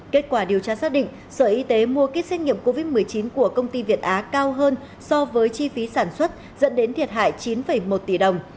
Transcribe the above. kết quả điều tra xác định sở y tế mua kích xét nghiệm covid một mươi chín của công ty việt á cao hơn so với chi phí sản xuất dẫn đến thiệt hại chín một tỷ đồng